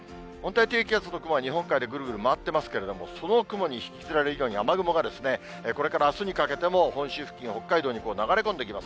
温帯低気圧の雲は日本海でぐるぐる回ってますけれども、その雲に引きずられるように、雨雲がこれからあすにかけても、本州付近、北海道に流れ込んできます。